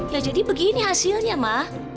ya jadi begini hasilnya ma